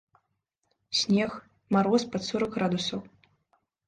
Снег, мароз пад сорак градусаў.